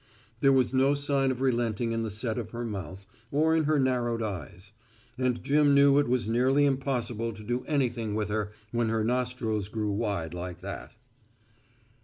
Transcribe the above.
There was no sign of relenting in the set of her mouth or in her narrowed eyes; and Jim knew it was nearly impossible to do anything with her when her nostrils grew wide like that.